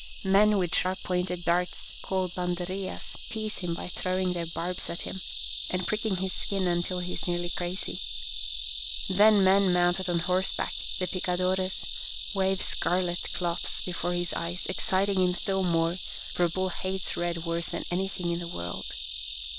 Men with sharp pointed darts, called banderillas, tease him by throwing their barbs at him, and pricking his skin until he is nearly crazy. Then men mounted on horseback, the picadores, wave scarlet cloths before his eyes, exciting him still more, for a bull hates red worse than anything in the world.